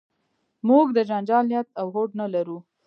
موږ د جنجال نیت او هوډ نه لرو.